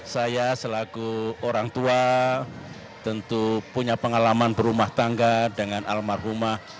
saya selaku orang tua tentu punya pengalaman berumah tangga dengan almarhumah ibu ani dulu